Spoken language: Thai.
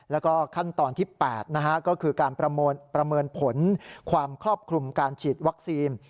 แล้วก็ขั้นตอนที่๘ก็คือการประเมินผลความครอบคลุมการฉีดวัคซีน